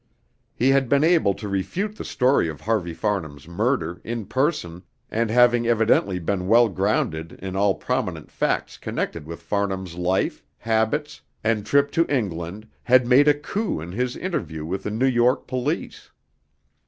He had been able to refute the story of Harvey Farnham's murder, in person, and having evidently been well grounded in all prominent facts connected with Farnham's life, habits, and trip to England, had made a coup in his interview with the New York police.